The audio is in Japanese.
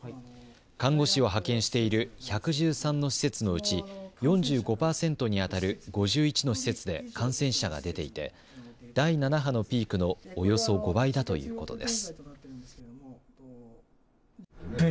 看護師を派遣している１１３の施設のうち４５％にあたる５１の施設で感染者が出ていて第７波のピークのおよそ５倍だということです。